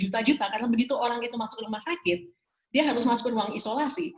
juta juta karena begitu orang itu masuk rumah sakit dia harus masuk ke ruang isolasi